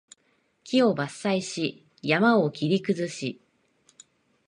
木を伐採し、山を切り崩し